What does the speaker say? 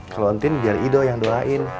kalau ntin biar ido yang doain